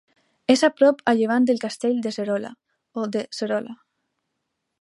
És a prop a llevant del Castell de Serola, o de s'Erola.